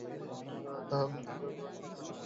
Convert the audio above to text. তাইলে আমি ভাগছিলাম কার সাথে?